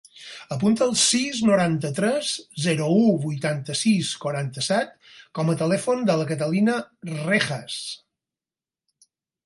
Apunta el sis, noranta-tres, zero, u, vuitanta-sis, quaranta-set com a telèfon de la Catalina Rejas.